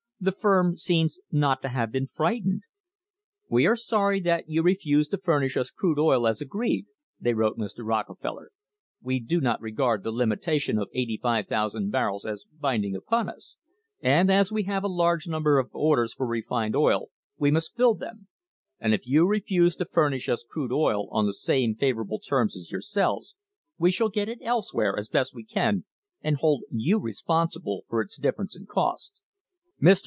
The firm seems not to have been frightened. "We are sorry that you refuse to furnish us crude oil as agreed," they wrote Mr. Rockefeller; "we do not regard the limitation of 85,000 barrels as binding upon us, and as we have a large number of orders for refined oil we must fill them, and if you refuse to furnish us crude oil on the same favourable terms as yourselves, we shall get it elsewhere as best we can and hold you responsible for its difference in cost." Mr.